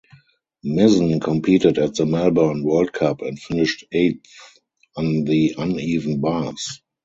Mizzen competed at the Melbourne World Cup and finished eighth on the uneven bars.